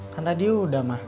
kan tadi udah mah